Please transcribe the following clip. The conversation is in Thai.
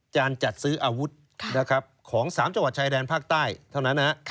จัดซื้ออาวุธของ๓จังหวัดชายแดนภาคใต้เท่านั้น